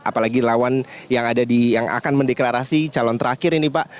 apalagi lawan yang akan mendeklarasi calon terakhir ini pak